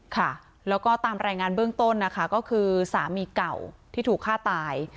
ค่ะแล้วก็ตามรายงานเบื้องต้นนะคะก็คือสามีเก่าที่ถูกฆ่าตาย